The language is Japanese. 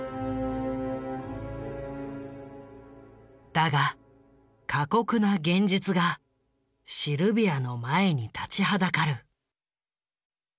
だが過酷な現実がシルビアの前に立ちはだかる。